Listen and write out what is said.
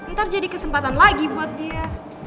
ntar jadi kesempatan lagi buat dia